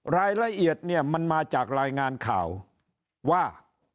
รายละเอียดเนี่ยมันมาจากรายงานข่าวว่า